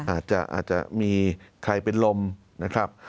อาจจะมีใครเป็นลมนะครับ